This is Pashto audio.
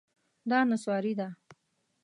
دا نسواري ده